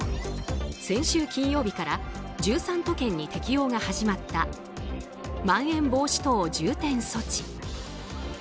先週金曜日から１３都県に適用が始まったまん延防止等重点措置。